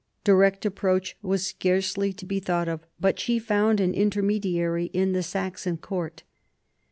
Direct approach was scarcely to be thought of, but she found an intermediary in the Saxon court.